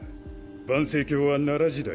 盤星教は奈良時代